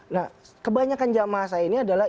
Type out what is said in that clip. nah kebanyakan jamah saya ini adalah